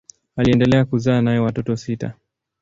Aliendelea kuzaa naye watoto sita.